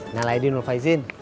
nyalah iden mufaizin